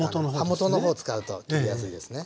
刃元の方を使うと切りやすいですね